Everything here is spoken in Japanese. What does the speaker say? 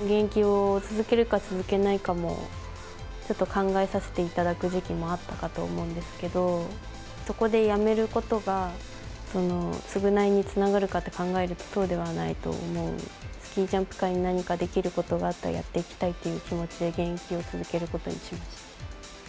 現役を続けるか続けないかも、ちょっと考えさせていただく時期もあったかと思うんですけれども、そこでやめることが償いにつながるかって考えると、そうではないと思う、スキージャンプ界に何かできることがあったらやっていきたいっていう気持ちで現役を続けることにしました。